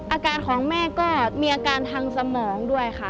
อาการของแม่ก็มีอาการทางสมองด้วยค่ะ